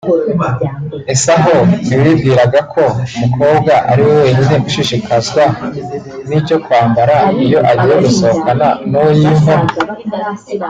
Ese aho ntiwibwiraga ko umukobwa ari we wenyine ushishikazwa n’icyo kwambara iyo agiye gusohokana n’uwo yiyumvamo